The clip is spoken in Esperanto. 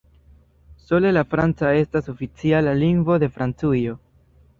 Sole la franca estas oficiala lingvo de Francujo.